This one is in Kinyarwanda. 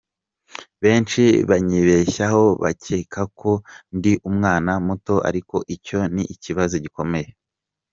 Benshi banyibeshyaho bakeka ko ndi umwana muto ariko icyo ni ikibazo gikomeye.